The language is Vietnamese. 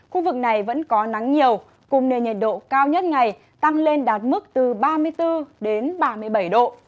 khu vực này vẫn có nắng nhiều cùng nền nhiệt độ cao nhất ngày tăng lên đạt mức từ ba mươi bốn đến ba mươi bảy độ